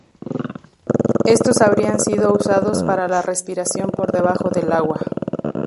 Estos habrían sido usados para la respiración por debajo del agua.